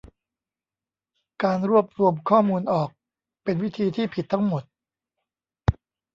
'การรวบรวมข้อมูลออก' เป็นวิธีที่ผิดทั้งหมด